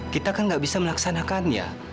kita kan nggak bisa melaksanakannya